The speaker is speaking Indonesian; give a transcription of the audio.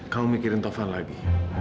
kamu mikirin taufan lagi